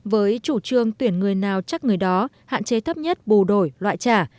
với chủ trương tuyển người nào chắc người đó hạn chế thấp nhất bù đổi loại trả